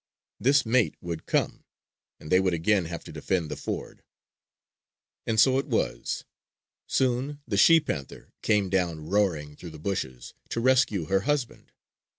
This mate would come, and they would again have to defend the ford. And so it was. Soon the she panther came down roaring through the bushes to rescue her husband.